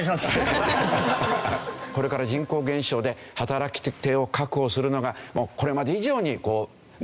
これから人口減少で働き手を確保するのがこれまで以上に難しくなる。